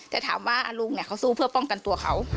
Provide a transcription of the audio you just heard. แต่ถามว่าลุงเนี่ยเขาสู้เพื่อป้องกันตัวเขา